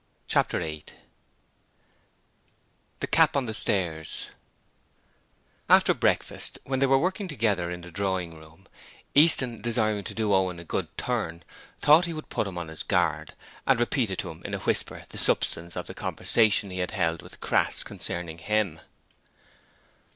Chapter 8 The Cap on the Stairs After breakfast, when they were working together in the drawing room, Easton, desiring to do Owen a good turn, thought he would put him on his guard, and repeated to him in a whisper the substance of the conversation he had held with Crass concerning him.